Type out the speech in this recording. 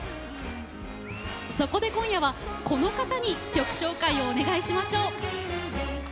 そこで今夜は、この方に曲紹介をお願いしましょう。